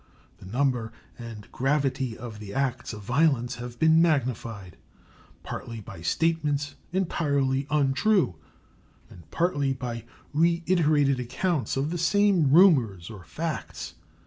The number and gravity of the acts of violence have been magnified partly by statements entirely untrue and partly by reiterated accounts of the same rumors or facts.